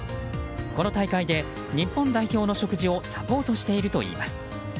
この大会で日本代表の食事をサポートしているといいます。